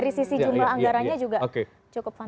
dari sisi jumlah anggarannya juga cukup panjang